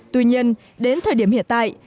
tuy nhiên đến thời điểm hiện tại